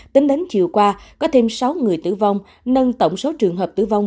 tính đến chiều qua có thêm sáu người tử vong nâng tổng số trường hợp tử vong